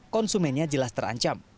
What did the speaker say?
konsumennya jelas terancam